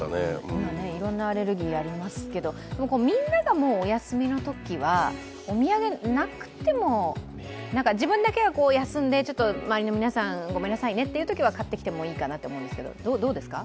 今、いろんなアレルギーありますけどみんながお休みのときはお土産なくても自分だけが休んで、周りの皆さん、ごめんなさいねというときには買ってきてもいいかなと思うんですけど、どうですか？